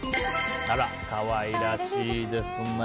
可愛らしいですね。